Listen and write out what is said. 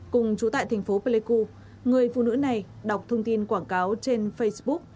cùng chú tại thành phố pleiku người phụ nữ này đọc thông tin quảng cáo trên facebook